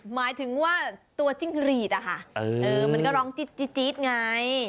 หมายถึงว่าตัวจิ้งรีดอะค่ะมันก็ร้องจี๊ดไง